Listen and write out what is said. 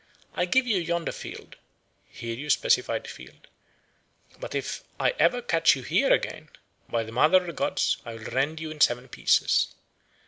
I give you yonder field' (here you specify the field); 'but if ever I catch you here again, by the Mother of the Gods I will rend you in seven pieces.'